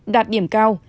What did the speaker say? đạt điểm cao